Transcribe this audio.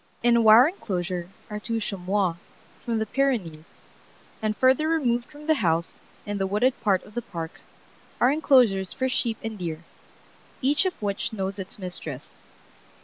In a wire enclosure are two chamois from the Pyrenees, and further removed from the house, in the wooded part of the park, are enclosures for sheep and deer, each of which knows its mistress.